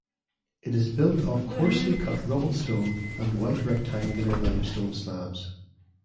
It is built of coarsely cut rubble stone and white rectangular limestone slabs.